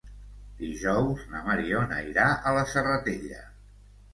Dijous na Mariona irà a la Serratella.